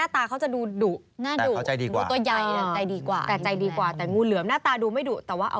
ที่ไม่ดุ